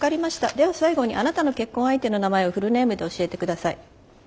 では最後にあなたの結婚相手の名前をフルネームで教えてください。